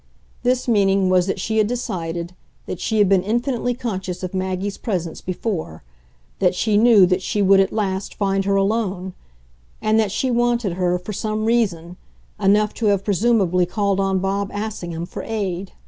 This meaning was that she had decided, that she had been infinitely conscious of Maggie's presence before, that she knew that she would at last find her alone, and that she wanted her, for some reason, enough to have presumably called on Bob Assingham for aid.